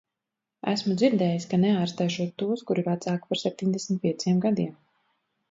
Esmu dzirdējis, ka neārstēšot tos, kuri vecāki par septiņdesmit pieciem gadiem.